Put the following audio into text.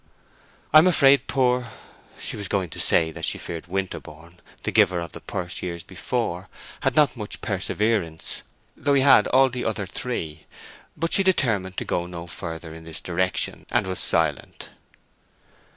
"I am afraid poor—" She was going to say that she feared Winterborne—the giver of the purse years before—had not much perseverance, though he had all the other three; but she determined to go no further in this direction, and was silent.